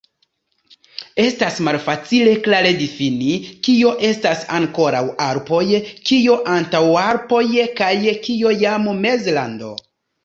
Estas malfacile klare difini, kio estas ankoraŭ Alpoj, kio Antaŭalpoj kaj kio jam Mezlando.